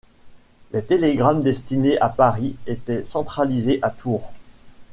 Les télégrammes destinés à Paris étaient centralisés à Tours.